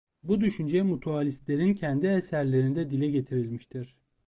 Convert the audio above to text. Bu düşünce mutualistlerin kendi eserlerinde dile getirilmiştir.